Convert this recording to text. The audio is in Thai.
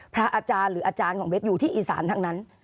พระอาจารย์หรืออาจารย์ของเบสอยู่ที่อีสานทั้งนั้น